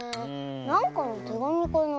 なんかのてがみかなあ。